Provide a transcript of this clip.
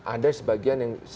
ada sebagian yang